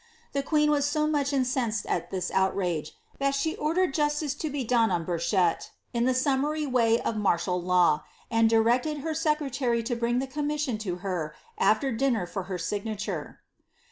The queen was so much incensed at (his outrage, tha( she ordered jus tice to be done on Burchel, in (he summary way of martial law,' and directed her secretary to bring the commission to her sfier dinner for her signahjre.